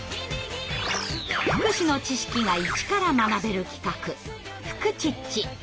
福祉の知識がイチから学べる企画「フクチッチ」。